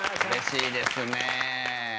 うれしいですね。